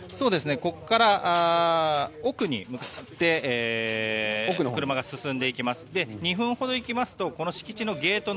ここから奥に向かって車が進んでいきます。